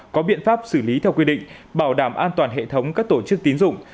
có biện pháp xử lý theo quy định bảo đảm an toàn hệ thống các tổ chức tín dụng